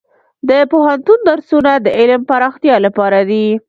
د پوهنتون درسونه د علم پراختیا لپاره دي.